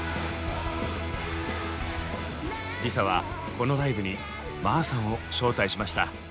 ＬｉＳＡはこのライブにＭＡＨさんを招待しました。